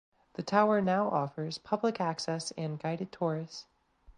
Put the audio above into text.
The tower now offers public access and guided tours.